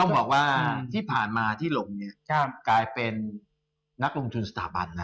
บอกว่าที่ผ่านมาที่ลงกลายเป็นนักลงทุนสถาบันนะ